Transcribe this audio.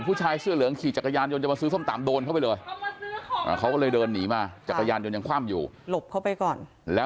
ผู้ชายเสื้อเหลืองขี่จักรยานยังจะมาซื้อส้มตำ